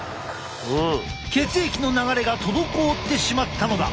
血液の流れが滞ってしまったのだ。